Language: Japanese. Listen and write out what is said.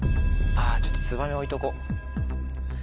あちょっとツバメ置いとこう。